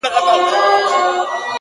• ګیدړ سمدستي پنیر ته ورحمله کړه,